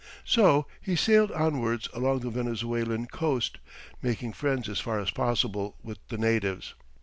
So he sailed onwards along the Venezuelan coast, making friends as far as possible with the natives.